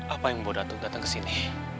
apa yang membuat atuk datang kesini